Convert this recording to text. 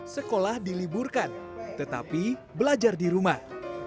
sekolah diliburkan tetapi belajar di rumah